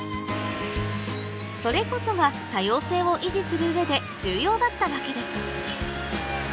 それこそが多様性を維持する上で重要だったわけです